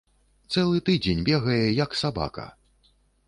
Цэлы тыдзень бегае, як сабака.